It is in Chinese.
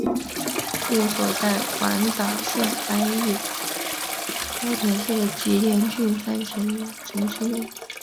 墓所在广岛县安艺高田市的吉田郡山城城迹内。